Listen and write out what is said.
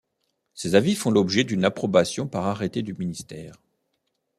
Ces avis font l’objet d’une approbation par arrêté du ministère.